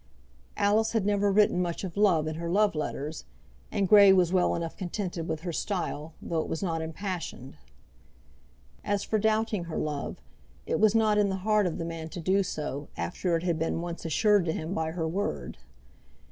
Alice had never written much of love in her love letters, and Grey was well enough contented with her style, though it was not impassioned. As for doubting her love, it was not in the heart of the man to do so after it had been once assured to him by her word.